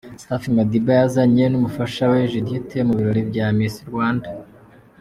Safi Madiba yazanye n'umufasha we Judith mu birori bya Miss Rwanda.